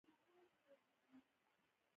ميرويس خان له تورو چايو ډکه پياله ور واخيسته.